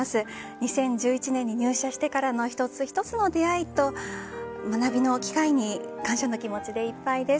２０１１年に入社してからの一つ一つの出会いと学びの機会に感謝の気持ちでいっぱいです。